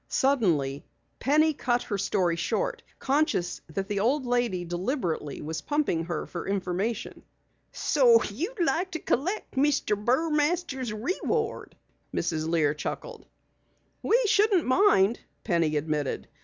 Suddenly Penny cut her story short, conscious that the old lady deliberately was pumping her of information. "So you'd like to collect Mr. Burmaster's reward?" Mrs. Lear chuckled. "We shouldn't mind," Penny admitted.